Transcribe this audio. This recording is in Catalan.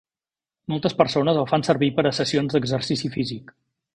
Moltes persones el fan servir per a sessions d'exercici físic.